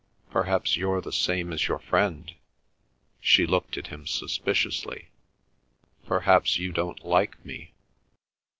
Perhaps you're the same as your friend"—she looked at him suspiciously; "perhaps you don't like me?"